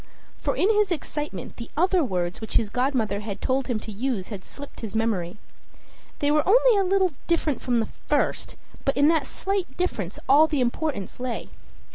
For in his excitement the other words which his godmother had told him to use had slipped his memory. They were only a little different from the first, but in that slight difference all the importance lay.